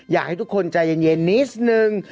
อยากให้ทุกคนใจเย็นนิดนึง